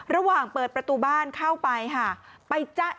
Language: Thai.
ระหว่างเปิดประตูบ้านเข้าไปค่ะ